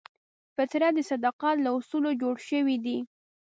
فطرت د صداقت له اصولو جوړ شوی دی.